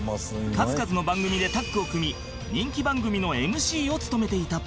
数々の番組でタッグを組み人気番組の ＭＣ を務めていた